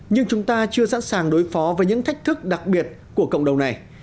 nhưng chúng ta chưa sẵn sàng đối phó với những thách thức đặc biệt của cộng đồng này